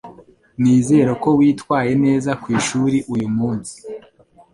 Nizere ko witwaye neza kwishuri uyumunsi.